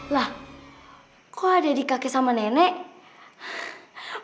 lah kok ada di kaki sama nenek